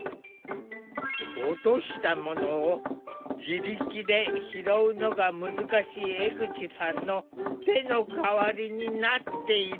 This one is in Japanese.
落としたものを自力で拾うのが難しい江口さんの手の代わりになっている。